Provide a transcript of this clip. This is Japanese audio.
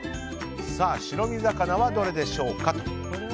白身魚はどれでしょうか。